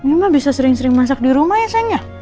emang bisa sering sering masak di rumah ya sayangnya